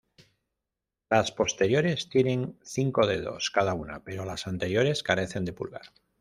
Las posteriores tienen cinco dedos cada una, pero las anteriores carecen de pulgar.